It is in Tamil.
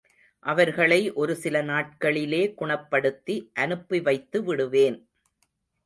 அவர்களை ஒரு சில நாட்களிலே குணப்படுத்தி அனுப்பிவைத்து விடுவேன்.